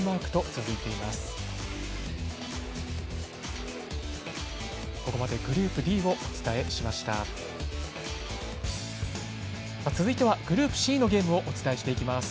続いては、グループＣのゲームをお伝えしていきます。